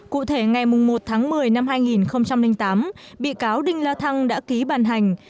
cụ thể ngày một tháng một mươi năm hai nghìn tám bị cáo đinh la thăng đã ký bàn hành